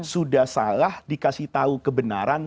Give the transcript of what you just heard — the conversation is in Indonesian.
sudah salah dikasih tahu kebenaran